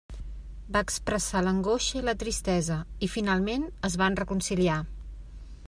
Va expressar l'angoixa i la tristesa, i finalment es van reconciliar.